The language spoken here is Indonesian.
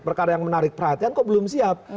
perkara yang menarik perhatian kok belum siap